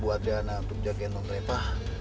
bu adriana untuk jagain nont reva